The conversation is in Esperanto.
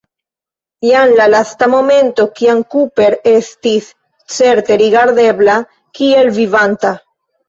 Jen la lasta momento, kiam Cooper estis certe rigardebla kiel vivanta.